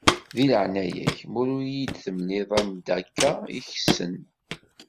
Di leɛnaya-k, ma ur iyi-d-temliḍ anda akka i kessen.